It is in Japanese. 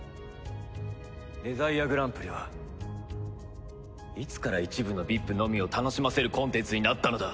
デザイアグランプリはいつから一部のＶＩＰのみを楽しませるコンテンツになったのだ。